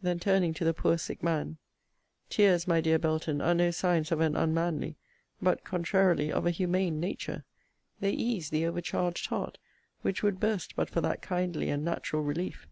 Then turning to the poor sick man, Tears, my dear Belton, are no signs of an unmanly, but, contrarily of a humane nature; they ease the over charged heart, which would burst but for that kindly and natural relief.